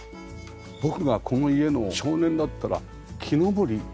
僕がこの家の少年だったら木登りしたいな。